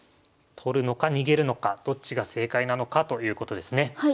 取るのか逃げるのかどっちが正解なのかということですね。